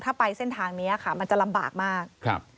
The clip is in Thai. ถ้าไปเส้นทางนี้ค่ะมันจะลำบากมากครับ